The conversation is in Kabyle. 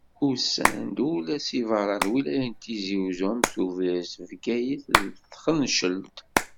Usan-d ula seg beṛṛa n lwilaya n Tizi Uzzu, am Tubiret, Bgayet d Txencelt.